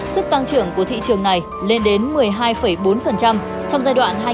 sức tăng trưởng của thị trường này lên đến một mươi hai bốn trong giai đoạn hai nghìn hai mươi một